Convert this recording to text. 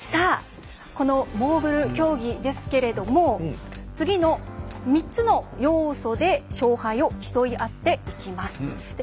このモーグル競技ですけれども次の３つの要素で勝敗を競い合っていきます。